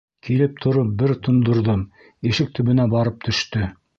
Килеп тороп бер тондорҙом, ишек төбөнә барып төштө!